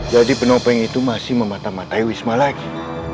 jadi penopeng itu masih mematah matahi wisma lagi